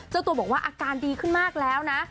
เจ้าตัวบอกว่าอาการดีขึ้นมากแล้วนะ